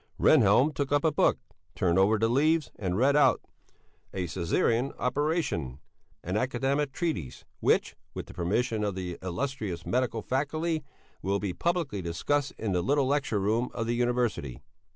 Rehnhjelm took up a book, turned over the leaves and read out: "A Cæsarean Operation: An academic treatise which, with the permission of the illustrious medical faculty, will be publicly discussed in the little lecture room of the University."